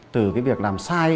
từ cái việc làm sai